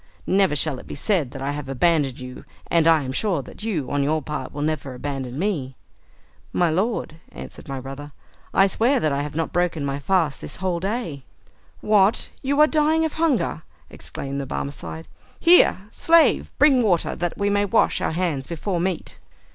Never shall it be said that I have abandoned you, and I am sure that you, on your part, will never abandon me." "My lord," answered my brother, "I swear that I have not broken my fast this whole day." "What, you are dying of hunger?" exclaimed the Barmecide. "Here, slave; bring water, that we may wash our hands before meat!"